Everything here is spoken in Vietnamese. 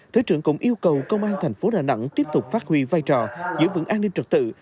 thứ trưởng cũng yêu cầu công an thành phố đà nẵng tiếp tục phát huy vai trò giữ vững an ninh trật tự